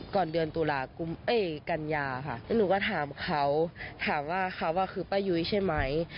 ก่อนเดือนตุลากุมกันยาค่ะแล้วหนูก็ถามเขาถามว่าเขาคือป้ายุ้ยใช่ไหม